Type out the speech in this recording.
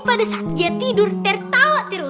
pada saat dia tidur tertau